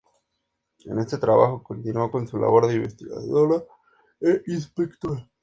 En este trabajo continuó con su labor de investigadora e inspectora.